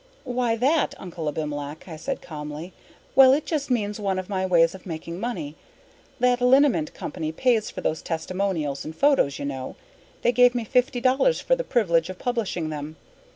"Why, that, Uncle Abimelech," I said calmly, "well, it just means one of my ways of making money. That liniment company pays for those testimonials and photos, you know. They gave me fifty dollars for the privilege of publishing them.